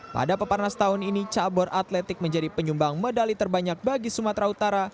pada peparnas tahun ini cabur atletik menjadi penyumbang medali terbanyak bagi sumatera utara